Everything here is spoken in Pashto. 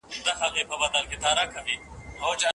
زما نقيب د چت درېيم دېوال ته شا ورکوي